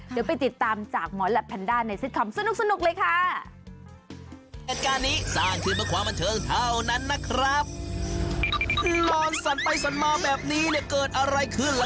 เดี๋ยวไปติดตามจากหมอแหลปแพนด้าในซิตคอมสนุกเลยค่ะ